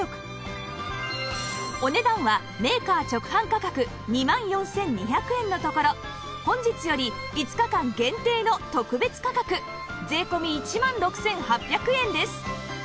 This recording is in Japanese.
お値段はメーカー直販価格２万４２００円のところ本日より５日間限定の特別価格税込１万６８００円です